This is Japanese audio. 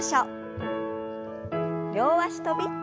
両脚跳び。